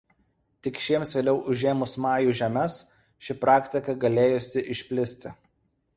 Tik šiems vėliau užėmus majų žemes ši praktika galėjusi išplisti.